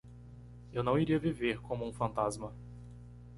Eu não iria viver como um fantasma.